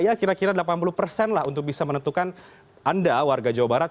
ya kira kira delapan puluh persen lah untuk bisa menentukan anda warga jawa barat